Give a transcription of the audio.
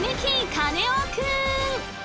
カネオくん！